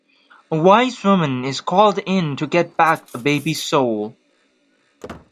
A wise woman is called in to get back the baby's soul.